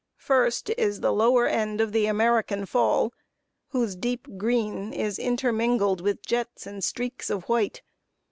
First, is the lower end of the American Fall, whose deep green is intermingled with jets and streaks of white.